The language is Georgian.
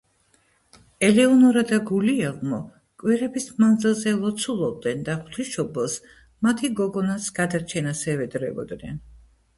ელეონორა და გულიელმო კვირების მანძილზე ლოცულობდნენ და ღვთისმშობელს მათი გოგონას გადარჩენას ევედრებოდნენ.